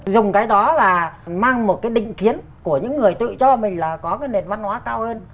dùng cái đó là mang một cái định kiến của những người tự cho mình là có cái nền văn hóa cao hơn